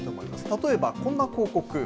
例えば、こんな広告。